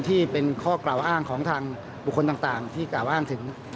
ที่เป็นข้อกล่าวอ้างของทางบุคคลต่างที่กล่าวอ้างถึง